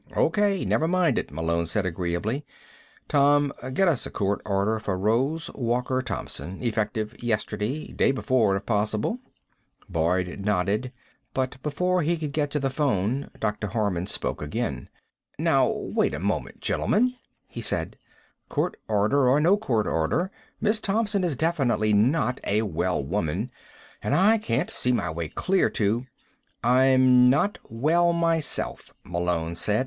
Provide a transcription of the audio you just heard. "O.K., never mind it," Malone said agreeably. "Tom, get us a court order for Rose Walker Thompson. Effective yesterday day before, if possible." Boyd nodded, but before he could get to the phone Dr. Harman spoke again. "Now, wait a moment, gentlemen," he said. "Court order or no court order, Miss Thompson is definitely not a well woman, and I can't see my way clear to " "I'm not well myself," Malone said.